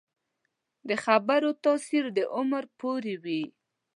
د خبرو تاثیر د عمر پورې وي